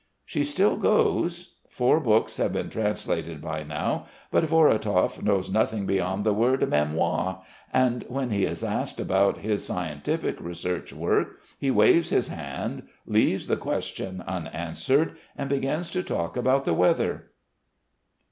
'" She still goes. Four books have been translated by now but Vorotov knows nothing beyond the word mémoires, and when he is asked about his scientific research work he waves his hand, leaves the question unanswered, and begins to talk about the weather.